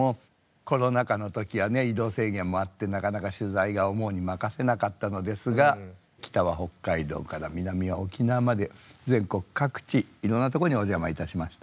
コロナ禍の時はね移動制限もあってなかなか取材が思うに任せなかったのですが北は北海道から南は沖縄まで全国各地いろんなとこにお邪魔いたしました。